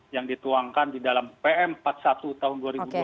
yang dituangkan di dalam pm empat puluh satu tahun dua ribu dua puluh